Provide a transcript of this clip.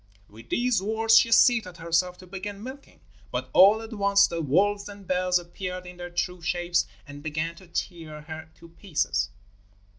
With these words she seated herself to begin milking, but all at once the wolves and bears appeared in their true shapes and began to tear her to pieces.